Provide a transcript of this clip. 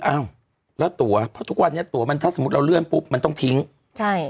อ้าวแล้วตัวเพราะทุกวันนี้ตัวมันถ้าสมมุติเราเลื่อนปุ๊บมันต้องทิ้งใช่